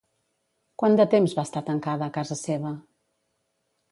Quant de temps va estar tancada a casa seva?